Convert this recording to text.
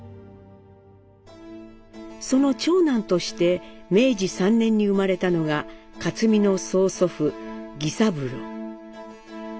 その長男として明治３年に生まれたのが克実の曽祖父儀三郎。